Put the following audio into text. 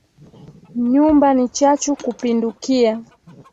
Nyumba ni chafu kupindukia.